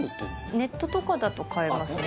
ネットとかだと買えますね